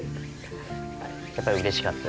やっぱりうれしかった？